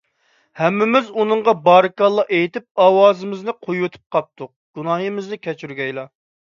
ھەممىمىز ئۇنىڭغا بارىكاللاھ ئېيتىپ، ئاۋازىمىزنى قويۇۋېتىپ قاپتۇق. گۇناھىمىزنى كەچۈرگەيلا!